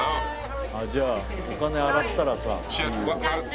じゃあお金洗ったらさ。